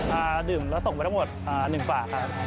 ๑แล้วส่งไปทั้งหมด๑ฝาครับ